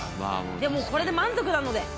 でも、これで満足なので。